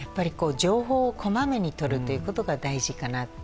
情報をこまめにとるということが大事かなと。